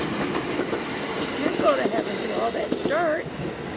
she asked, "he can't get to heaven through all that dirt!"